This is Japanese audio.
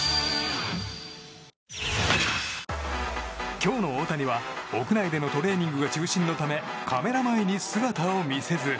今日の大谷は、屋内でのトレーニングが中心のためカメラ前に姿を見せず。